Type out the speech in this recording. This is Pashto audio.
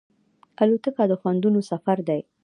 الوتکه د خوندونو سفر دی.